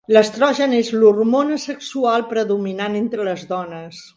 L'estrogen és l'hormona sexual predominant entre les dones.